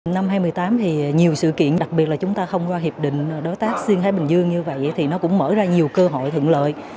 năm hai nghìn một mươi tám thì nhiều sự kiện đặc biệt là chúng ta thông qua hiệp định đối tác xuyên thái bình dương như vậy thì nó cũng mở ra nhiều cơ hội thuận lợi